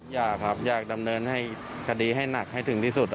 อยากครับอยากดำเนินคดีให้หนักให้ถึงที่สุด